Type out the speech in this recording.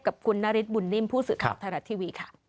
กับคุณนาริสบุญนิมผู้สื่อขับไทยรัตน์ทีวีค่ะ